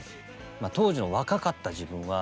当時の若かった自分は。